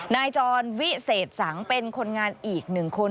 นายจรวิเศษสังเป็นคนงานอีกหนึ่งคน